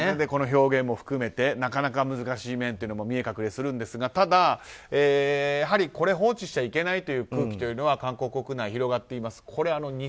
この表現も含めてなかなか難しい面というのも見え隠れするんですがただ、やはりこれを放置しちゃいけないという空気は韓国国内で広がっています。